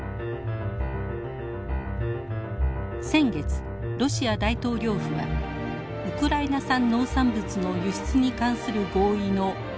先月ロシア大統領府はウクライナ産農産物の輸出に関する合意の履行停止を表明。